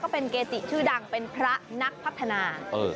เป็นเกจิชื่อดังเป็นพระนักพัฒนา